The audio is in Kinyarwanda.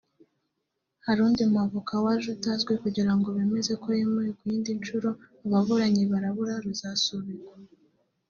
hari undi mu avocat waje atazwi kugira ngo bemeze ko yemewe ku yindi nshuro ababuranyi barabura rusasubikwa